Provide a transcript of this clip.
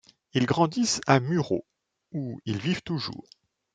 Ils grandissent à Murau, où ils vivent toujours.